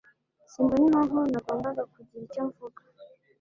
Simbona impamvu nagombaga kugira icyo mvuga.